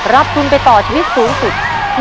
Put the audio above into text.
รับทุนไปต่อชีวิตสูงสุด